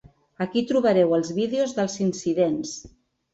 Aquí trobareu els vídeos dels incidents.